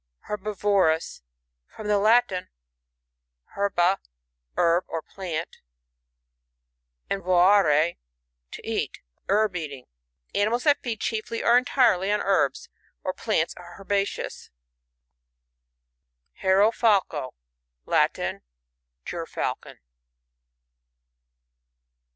Herbiyorous. — From the Latin her ba, herb or plant, and tjorarf, to eat. Herb eating. Animals that feed chiefly, or entirely on herbs, or plants, are herbivorous. HixROFALco. — Latin. Gerfalcon.